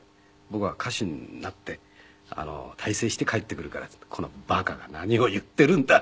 「僕は歌手になって大成して帰ってくるから」って言うとこの馬鹿が何を言っているんだ。